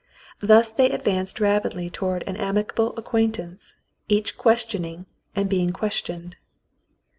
Thus they advanced rapidly toward an amicable acquaintance, each questioning and being questioned.